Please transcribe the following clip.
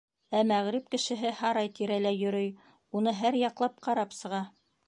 Ә мәғриб кешеһе һарай тирәләй йөрөй, уны һәр яҡлап ҡарап сыға.